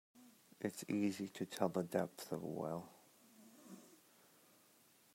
It's easy to tell the depth of a well.